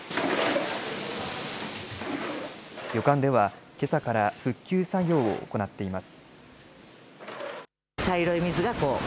旅館では、けさから復旧作業を行っています。